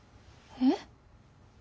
えっ？